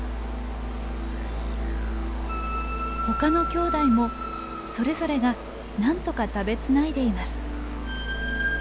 他のきょうだいもそれぞれがなんとか食べつないでいます。